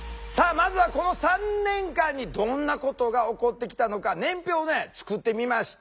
まずはこの３年間にどんなことが起こってきたのか年表を作ってみました。